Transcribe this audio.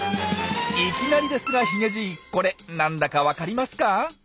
いきなりですがヒゲじいこれ何だかわかりますか？